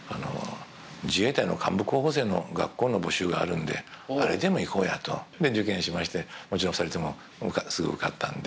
自衛隊の幹部候補生の学校の募集があるんであれでも行こうやと受験しましてもちろん２人ともすぐ受かったんで。